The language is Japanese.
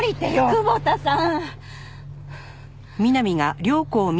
久保田さん。